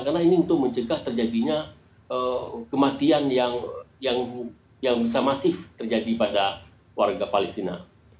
karena ini untuk mencegah terjadinya kematian yang bisa masif terjadi pada warga palestina